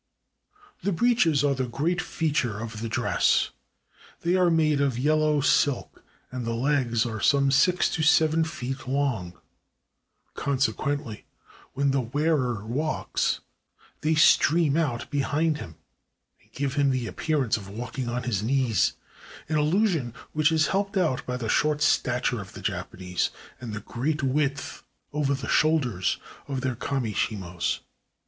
The breeches are the great feature of the dress ; they are made of yellow silk, and the legs are some six to seven feet long ! Consequently, when the wearer walks, they stream out behind him, and give him the appear ance of walking on his knees, an illusion which is helped out by the short stature of the Japanese and the great width, over the shoulders, of their kami shimos